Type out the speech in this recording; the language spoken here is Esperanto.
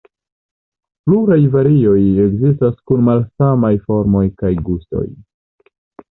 Pluraj varioj ekzistas kun malsamaj formoj kaj gustoj.